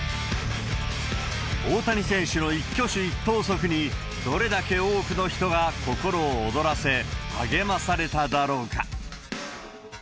大谷選手の一挙手一投足に、どれだけ多くの人が心を躍らせ、励まされただろうか。